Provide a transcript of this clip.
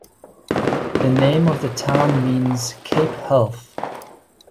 The name of the town means "Cape Health".